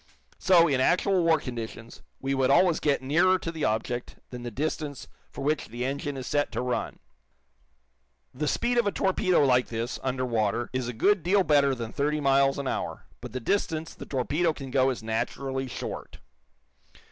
So, in actual war conditions, we would always get nearer to the object than the distance for which the engine is set to run. The speed of a torpedo like this, under water, is a good deal better than thirty miles an hour, but the distance the torpedo can go is naturally short.